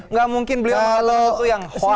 nggak mungkin beliau mengatakan itu yang salah